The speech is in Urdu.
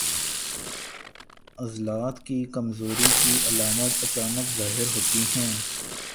عضلات کی کمزوری کی علامات اچانک ظاہر ہوتی ہیں